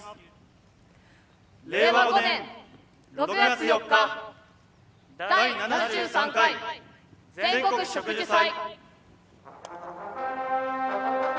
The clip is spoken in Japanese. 令和５年６月４日第７３回全国植樹祭。